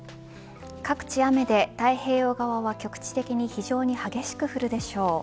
各地、雨で太平洋側は局地的に非常に激しく降るでしょう。